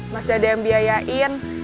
masih ada yang biayain